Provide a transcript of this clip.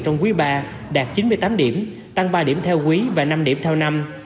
trong quý ba đạt chín mươi tám điểm tăng ba điểm theo quý và năm điểm theo năm